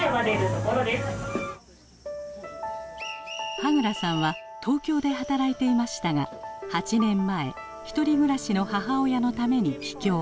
羽倉さんは東京で働いていましたが８年前一人暮らしの母親のために帰郷。